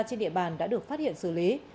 trên địa bàn đã được phát hiện xử lý